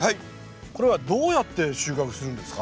これはどうやって収穫するんですか？